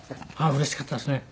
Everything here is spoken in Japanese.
うれしかったですね。